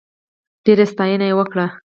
ډېره ستاینه وکړه.